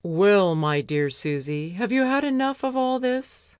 "Well, my dear Susy, have you had enough of all this?"